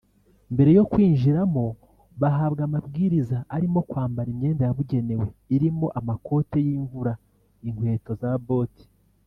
Mbere yo kwinjiramo bahabwa amabwiriza arimo kwambara imyenda yabugenewe irimo amakote y’imvura inkweto za boti